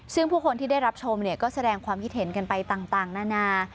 ซึ่งผู้คนที่ได้รับชมก็แสดงความคิดเห็นกันไปต่างนานา